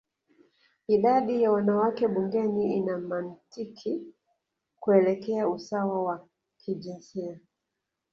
idadi ya wanawake bungeni ina mantiki kuelekea usawa wa kijinsia